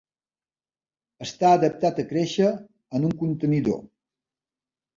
Està adaptat a créixer en un contenidor.